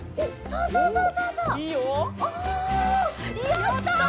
やった！